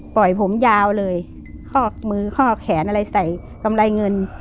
ปล่อยผมยาวเลยข้อมือข้อแขนอะไรใส่กำไรเงิน